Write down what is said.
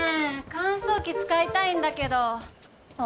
乾燥機使いたいんだけどあっ